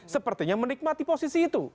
sepertinya menikmati posisi itu